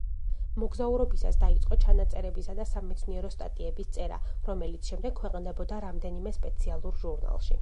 მოგზაურობისას დაიწყო ჩანაწერებისა და სამეცნიერო სტატიების წერა, რომელიც შემდეგ ქვეყნდებოდა რამდენიმე სპეციალურ ჟურნალში.